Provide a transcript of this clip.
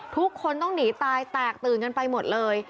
ทุกคนต้องหนีตายแตกตื่นกันไปหมดเลย